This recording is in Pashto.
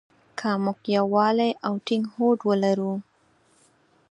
که مونږ يووالی او ټينګ هوډ ولرو.